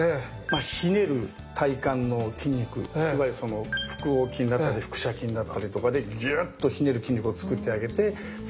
ひねる体幹の筋肉いわゆる腹横筋だったり腹斜筋だったりとかでギュッとひねる筋肉を作ってあげてそこでストップ筋ですね。